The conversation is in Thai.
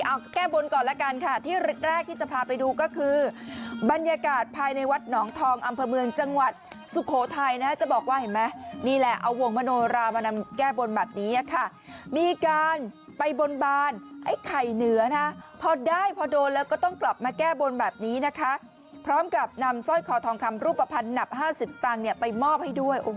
เอาแก้บนก่อนละกันค่ะที่แรกที่จะพาไปดูก็คือบรรยากาศภายในวัดหนองทองอำเภอเมืองจังหวัดสุโขทัยนะจะบอกว่าเห็นไหมนี่แหละเอาวงมโนรามานำแก้บนแบบนี้ค่ะมีการไปบนบานไอ้ไข่เหนือนะพอได้พอโดนแล้วก็ต้องกลับมาแก้บนแบบนี้นะคะพร้อมกับนำสร้อยคอทองคำรูปภัณฑ์หนัก๕๐สตางค์เนี่ยไปมอบให้ด้วย